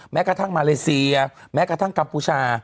แม้กระทั่งมาเลเซียแม้กระทั่งกัมพูชา